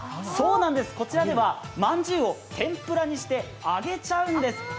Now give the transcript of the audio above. そうなんです、こちらではまんじゅうを天ぷらにして揚げちゃうんです。